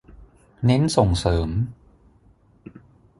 เน้นส่งเสริม